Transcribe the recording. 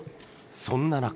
そんな中。